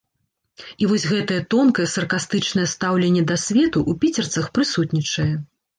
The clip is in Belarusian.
І вось гэтае тонкае саркастычнае стаўленне да свету ў піцерцах прысутнічае.